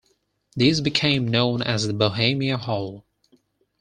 This became known as the "Bohemia Hall".